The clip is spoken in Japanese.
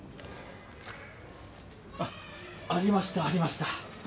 あっありましたありました。